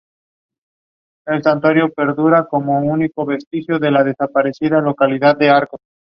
En su carrera apareció en varios clubes.